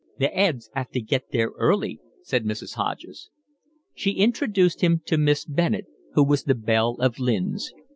"The 'eads 'ave to get there early," said Mrs. Hodges. She introduced him to Miss Bennett, who was the belle of Lynn's.